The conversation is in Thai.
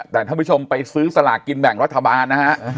แต่ท่านผู้ชมไปซื้อสลากกินแบ่งรัฐบาลนะฮะ